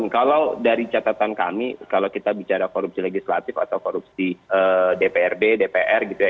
kalau dari catatan kami kalau kita bicara korupsi legislatif atau korupsi dprd dpr gitu ya